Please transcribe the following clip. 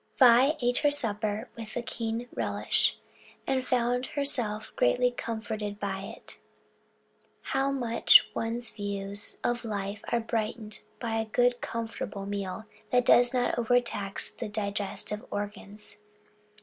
Vi ate her supper with a keen relish, and found herself greatly comforted by it. How much one's views of life are brightened by a good comfortable meal that does not overtax the digestive organs.